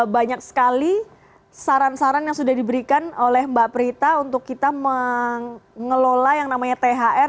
banyak sekali saran saran yang sudah diberikan oleh mbak prita untuk kita mengelola yang namanya thr